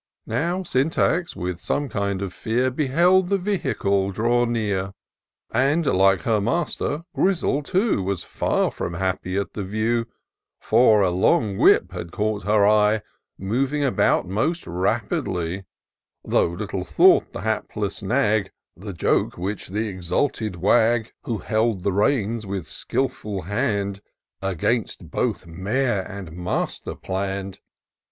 Now Syntax, with some kind of fear. Beheld the vehicle draw near ; And, like her master. Grizzle too Was far from happy at the view ; For a long whip had caught her eye. Moving about most rapidly ; Though little thought the hapless nag, The joke which the exalted wag. IN SEARCH OF THE PICTURESQUE. 201 Who held the reins with skilful hand, Against both mare and master plann'd.